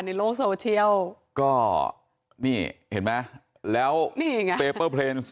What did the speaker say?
ในโลกโซเชียลก็นี่เห็นไหมแล้วนี่ไงเปเปอร์เพลนส์